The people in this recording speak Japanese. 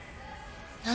何？